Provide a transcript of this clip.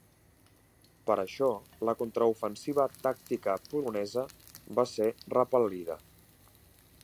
Per això, la contraofensiva tàctica polonesa va ser repel·lida.